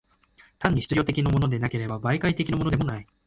単に質料的のものでもなければ、媒介的のものでもない。